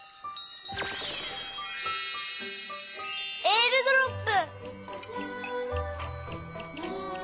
えーるドロップ！